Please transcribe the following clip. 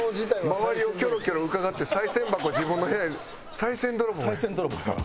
周りをキョロキョロうかがって賽銭箱自分の部屋賽銭泥棒や。